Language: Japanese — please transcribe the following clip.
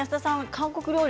韓国料理